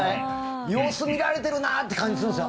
様子見られてるなって感じがするんですよ。